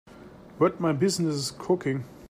But my business is cooking.